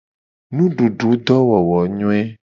Nudududowowonyoe.